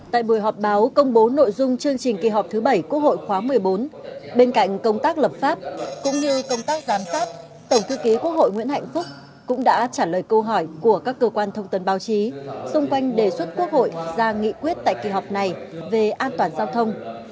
tại buổi họp báo công bố nội dung chương trình kỳ họp thứ bảy quốc hội khóa một mươi bốn bên cạnh công tác lập pháp cũng như công tác giám sát tổng thư ký quốc hội nguyễn hạnh phúc cũng đã trả lời câu hỏi của các cơ quan thông tấn báo chí xung quanh đề xuất quốc hội ra nghị quyết tại kỳ họp này về an toàn giao thông